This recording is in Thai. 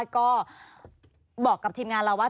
ก็บอกกับทีมงานเราว่า